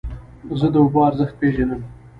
زه د اوبو ارزښت پېژنم.